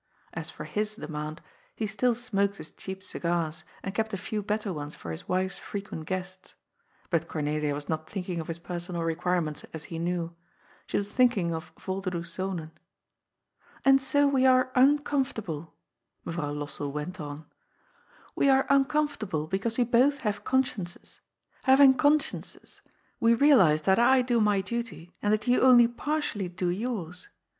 As for his demand^ he still smoked his cheap cigars, and kept a few better ones for his wife's frequent guests* But Cornelia was not thinking of his personal requirements, as he knew. She was thinking of '^ Yolderdoes Zonen.'^ '^ And so we are uncomfortable," Mevrouw LosseU went on. '^We are uncomfortable because we both have con sciences. Haying consciences, we realize that I do my duty and that you only partially do yours.